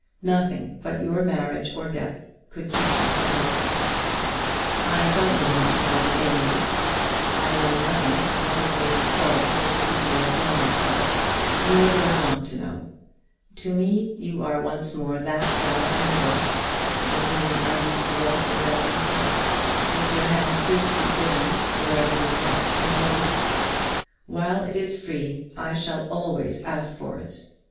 Nothing but your marriage or death could keep me from hoping. I don't know much about the Aylmers. I know nothing of what has made you quarrel with the people at Aylmer Park; nor do I want to know. To me you are once more that Clara Amedroz with whom I used to walk in Belton Park, with your hand free to be given wherever your heart can go with it. While it is free I shall always ask for it.